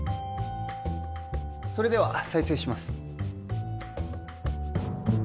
それでは再生します